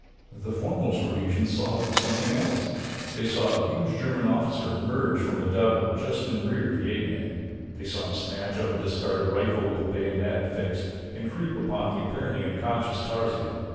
The foremost Rhodesians saw something else they saw a huge German officer emerge from a dugout just in rear of the ape man. They saw him snatch up a discarded rifle with bayonet fixed and creep upon the apparently unconscious Tarzan.